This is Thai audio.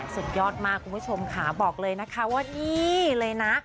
สุดยอดมากคุณผู้ชมค่ะบอกเลยนะคะว่านี่เลยนะ